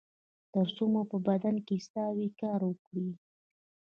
تر څو مو په بدن کې ساه وي کار وکړئ